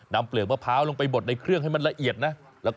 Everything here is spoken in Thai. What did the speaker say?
นำเปลือกประพร้าวลงไปบกบ่นข้อในเครื่องให้มันละเอียดนะ